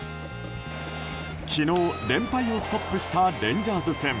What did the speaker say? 昨日、連敗をストップしたレンジャーズ戦。